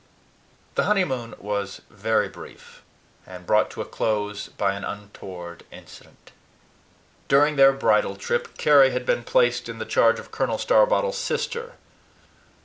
The honeymoon was brief, and brought to a close by an untoward incident. During their bridal trip, Carry had been placed in the charge of Colonel Starbottle's sister.